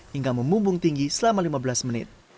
hingga memumbung tinggi selama lima belas menit